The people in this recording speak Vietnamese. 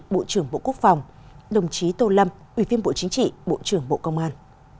bộ trưởng bộ quốc phòng đồng chí tô lâm ủy viên bộ chính trị bộ trưởng bộ công an